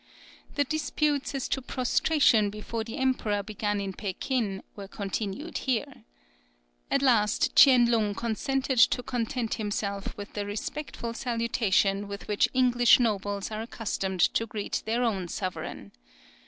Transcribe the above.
The disputes as to prostration before the emperor begun in Pekin were continued here. At last Tchien Lung consented to content himself with the respectful salutation with which English nobles are accustomed to greet their own sovereign.